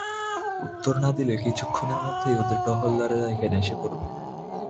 উত্তর না দিলে কিছুক্ষণের মধ্যেই ওদের টহলদারেরা এখানে এসে পড়বে।